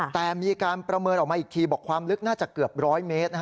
แต่มีการประเมินออกมาอีกทีบอกความลึกน่าจะเกือบ๑๐๐เมตร